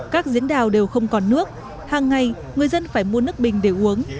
các diễn đào đều không còn nước hàng ngày người dân phải mua nước bình để uống